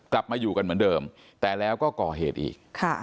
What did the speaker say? กลับมาอยู่กันเหมือนเดิมแต่แล้วก็ก่อเหตุอีก